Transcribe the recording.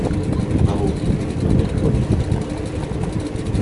Marot, d’un air candide.